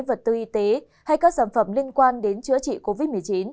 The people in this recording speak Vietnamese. vật tư y tế hay các sản phẩm liên quan đến chữa trị covid một mươi chín